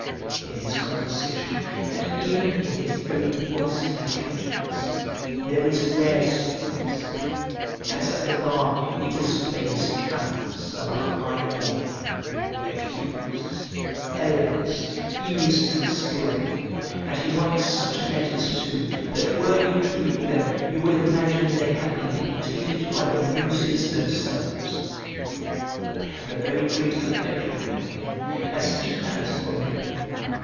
In his conversation, and even in his very voice and countenance, there is a rare sweetness; as at the bar he displays talents of a high order; acuteness, elegance, ease, and skill: and he writes such letters too that were you to read them you would imagine they had been dictated by the Muses themselves. I have a very great affection for him, as he has for me.